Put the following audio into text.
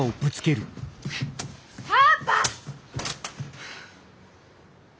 パパ！